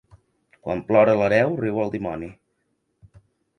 Quan plora l'hereu riu el dimoni.